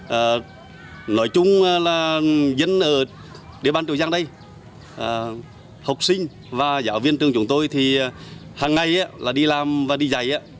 và nói chung là dân ở địa bàn triệu giang đây học sinh và giáo viên trường chúng tôi thì hàng ngày là đi làm và đi giải